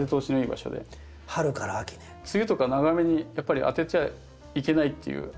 梅雨とか長雨にやっぱり当てちゃいけないっていう。